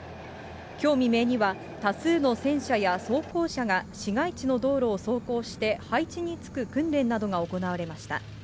きょう未明には多数の戦車や装甲車が市街地の道路を走行して、配置に就く訓練などが行われました。